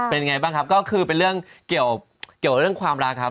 เป็นยังไงบ้างครับก็คือเป็นเรื่องเกี่ยวกับเรื่องความรักครับ